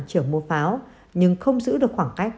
chở mua pháo nhưng không giữ được khoảng cách